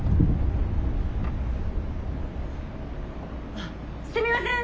あすみません！